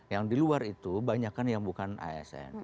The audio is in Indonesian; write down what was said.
yang di luar itu banyakkan yang bukan asn